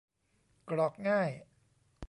กรอกง่าย